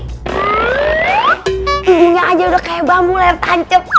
tunggunya aja udah kayak bambu leher tancep